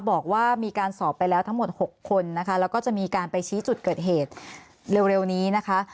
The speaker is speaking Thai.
บอกว่ามีการสอบไปแล้วทั้งหมด๖คนนะคะแล้วก็จะมีการไปชี้จุดเกิดเหตุเร็วนี้นะคะ